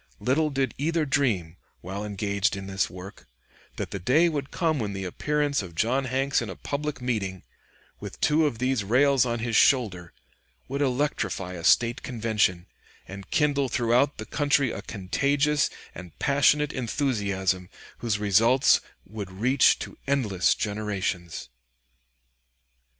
Little did either dream, while engaged in this work, that the day would come when the appearance of John Hanks in a public meeting, with two of these rails on his shoulder, would electrify a State convention, and kindle throughout the country a contagious and passionate enthusiasm, whose results would reach to endless generations.